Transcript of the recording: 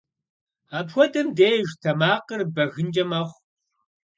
Апхуэдэм деж тэмакъыр бэгынкӏэ мэхъу.